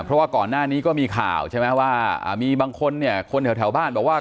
เพราะว่าก่อนหน้านี้ก็มีข่าวใช่ไหมว่ามีบางคนเนี่ยคนแถวบ้านบอกว่า